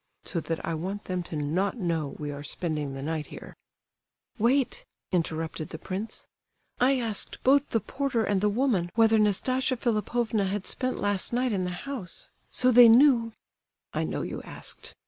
So that I want them to not know we are spending the night here—" "Wait," interrupted the prince. "I asked both the porter and the woman whether Nastasia Philipovna had spent last night in the house; so they knew—" "I know you asked.